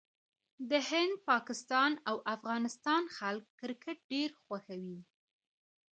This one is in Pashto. د هند، پاکستان او افغانستان خلک کرکټ ډېر خوښوي.